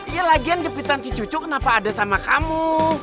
ya lagian jepitan si cucu kenapa ada sama kamu